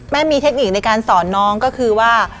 มีเทคนิคในการสอนน้องก็คือว่า